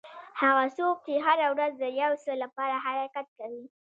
هغه څوک چې هره ورځ د یو څه لپاره حرکت کوي.